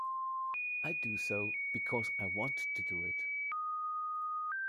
I do so because I want to do it.